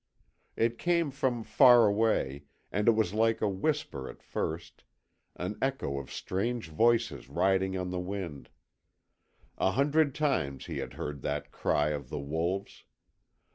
It came from far away, and it was like a whisper at first, an echo of strange voices riding on the wind, A hundred times he had heard that cry of the wolves.